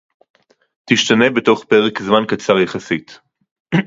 תשתנה בתוך פרק זמן קצר יחסית